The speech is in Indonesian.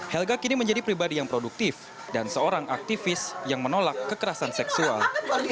helga kini menjadi pribadi yang produktif dan seorang aktivis yang menolak kekerasan seksual